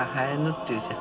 て言うじゃん。